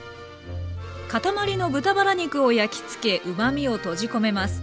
塊の豚バラ肉を焼き付けうまみを閉じ込めます。